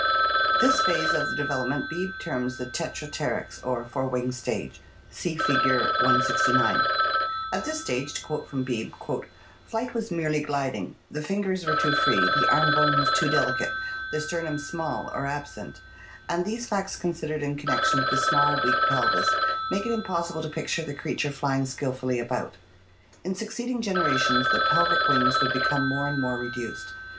This phase of the development Beebe terms the Tetrapteryx or four winged stage (see Fig. 169). At this stage, to quote from Beebe, "flight was BEAKED DINOSAURS AND ORIGIN OF BIRDS 535 merely gliding, the fingers were too free, the arm bones too delicate, the sternum small or absent, and these facts considered in connection with the small, weak pelvis make it impossible to picture the crea ture flying skillfully about. In succeeding generations the pelvic wings would become more and more reduced.